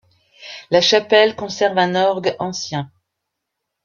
La chapelle conserve un orgue ancien.